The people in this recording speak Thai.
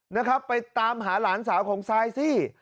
นะครับไปตามหาหลานสาวของซายสิ